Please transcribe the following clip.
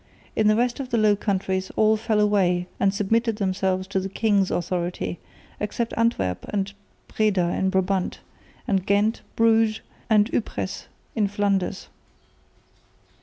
In the rest of the Low Countries all fell away and submitted themselves to the king's authority, except Antwerp and Breda in Brabant, and Ghent, Bruges and Ypres in Flanders.